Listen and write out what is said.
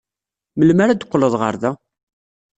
Melmi ara d-teqqled ɣer da?